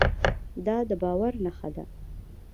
دا د باور نښه ده.